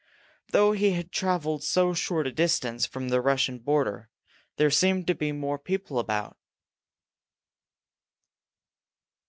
Though he had traveled so short a distance from the Russian border, there seemed to be more people about.